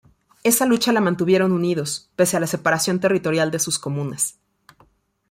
Esa lucha la mantuvieron unidos, pese a la separación territorial de sus comunas.